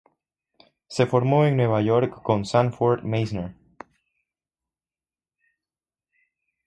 Se formó en Nueva York con Sanford Meisner.